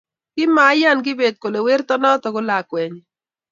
Komaiyani kibet kole werto noto ko lakwenyi